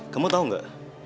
kamu tau gak